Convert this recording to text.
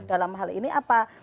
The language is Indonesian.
dalam hal ini apa